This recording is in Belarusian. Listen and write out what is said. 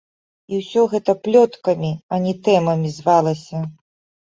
І ўсё гэта плёткамі, а не тэмамі звалася.